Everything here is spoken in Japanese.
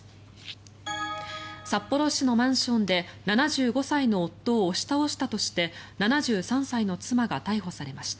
札幌市のマンションで７５歳の夫を押し倒したとして７３歳の妻が逮捕されました。